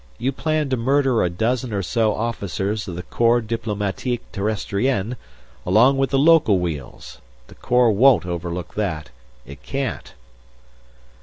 You plan to murder a dozen or so officers of the Corps Diplomatique Terrestrienne along with the local wheels. The corps won't overlook that. It can't."